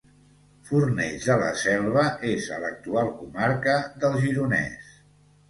Fornells de la Selva és a l'actual comarca del Gironès